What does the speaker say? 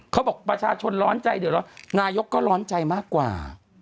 เขาบอกประชาชนร้อนใจเดือดร้อนนายกก็ร้อนใจมากกว่า